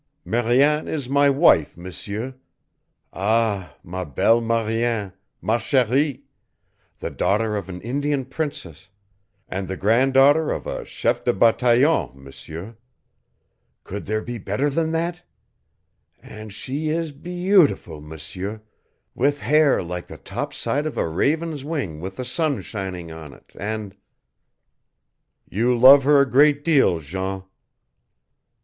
'" "Mariane is my wife, M'seur. Ah, ma belle Mariane ma cheri the daughter of an Indian princess and the granddaughter of a chef de bataillon, M'seur! Could there be better than that? And she is be e e utiful, M'seur, with hair like the top side of a raven's wing with the sun shining on it, and " "You love her a great deal, Jean."